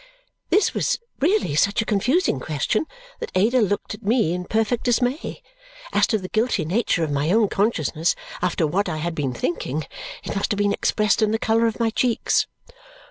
This was really such a confusing question that Ada looked at me in perfect dismay. As to the guilty nature of my own consciousness after what I had been thinking, it must have been expressed in the colour of my cheeks.